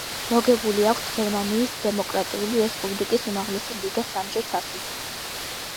მოგებული აქვს გერმანიის დემოკრატიული რესპუბლიკის უმაღლესი ლიგა სამჯერ თასი.